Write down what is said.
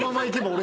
俺？